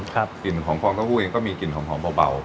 กลิ่นของฟองเต้าหู้เองก็มีกลิ่นหอมเบา